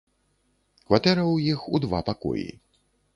Кватэра ў іх у два пакоі.